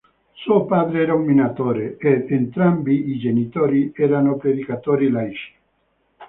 Suo padre era un minatore ed entrambi i genitori erano predicatori laici.